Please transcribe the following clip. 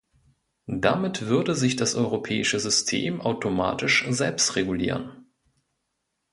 Damit würde sich das europäische System automatisch selbst regulieren.